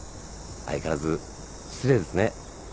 相変わらず失礼ですね。